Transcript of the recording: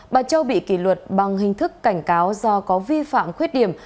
bà châu bị kỷ luật bằng hình thức cảnh cáo do có vi phạm khuyết điểm